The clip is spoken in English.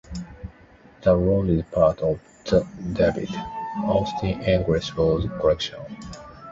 The rose is part of the David Austin English Rose Collection.